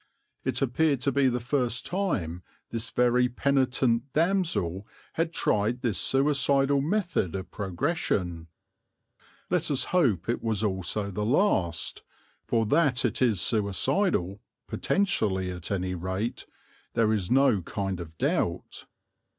It appeared to be the first time this very penitent damsel had tried this suicidal method of progression; let us hope it was also the last; for that it is suicidal, potentially at any rate, there is no kind of doubt.